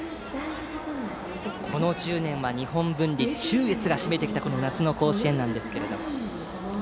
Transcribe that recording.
この１０年は、日本文理中越が占めてきた夏の甲子園。